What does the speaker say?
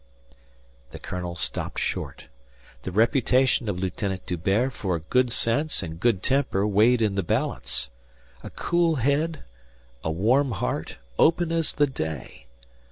The colonel stopped short. The reputation of Lieutenant D'Hubert for good sense and good temper weighed in the balance. A cool head, a warm heart, open as the day.